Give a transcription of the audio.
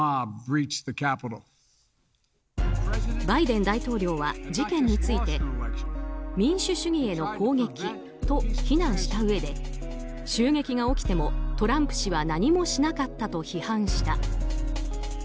バイデン大統領は事件について民主主義への攻撃と非難したうえで襲撃が起きてもトランプ氏は何もしなかったと批判した。